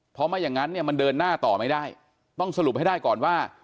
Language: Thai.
เพราะไม่อย่างนั้นเนี่ยมันเดินหน้าต่อไม่ได้ต้องสรุปให้ได้ก่อนว่า